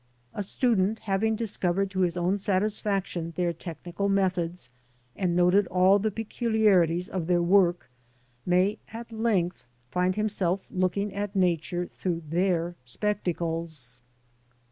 A student having dis covered to his own satisfaction their technical methods, and noted all the peculiarities of their work, may at length find himself looking at Nature through their spectacles.